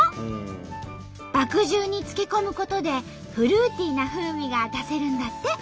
麦汁に漬け込むことでフルーティーな風味が出せるんだって。